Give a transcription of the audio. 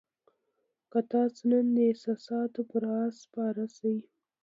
که تاسو نن د احساساتو پر آس سپاره شئ.